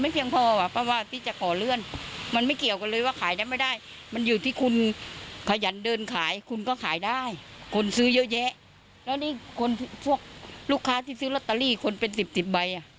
คนซื้อเยอะแยะแล้วนี่คนพวกลูกค้าที่ซื้อลอตเตอรี่คนเป็น๑๐ใบ